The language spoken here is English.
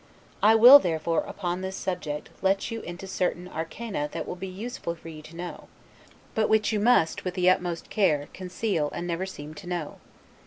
I will therefore, upon this subject, let you into certain Arcana that will be very useful for you to know, but which you must, with the utmost care, conceal and never seem to know.